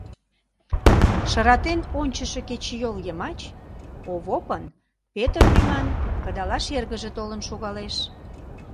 Шыратен ончышо кечыйол йымач Овопын Петр лӱман кыдалаш эргыже толын шогалеш.